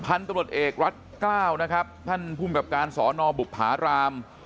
พันธุ์ตำรวจเอกรัฐกล้าวนะครับท่านภูมิกับการสอนอบุภาราม